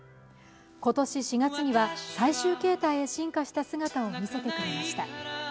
今年４月には最終形態へ進化した姿を見せてくれました。